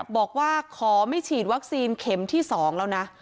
บอกว่าขอไม่ฉีดวัคซีนเข็มที่๒แล้วนะ